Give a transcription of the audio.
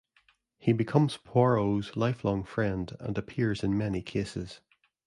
He becomes Poirot's lifelong friend and appears in many cases.